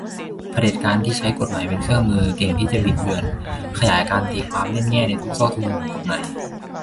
เผด็จการที่ใช้กฎหมายเป็นเครื่องมือ เก่งที่จะบิดเบือน ขยายการตีความ เล่นแง่ในทุกซอกทุกมุมของกฎหมาย